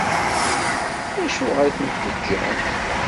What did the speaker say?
Acuɣer i t-in-teǧǧamt?